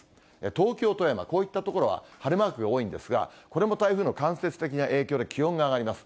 東京、富山、こういった所は、晴れマークが多いんですが、これも台風の間接的な影響で気温が上がります。